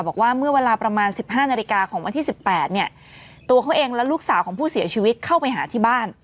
บอกว่าเมื่อเวลาประมาณ๑๕นาฬิกาของวันที่๑๘เนี่ยตัวเขาเองและลูกสาวของผู้เสียชีวิตเข้าไปหาที่บ้าน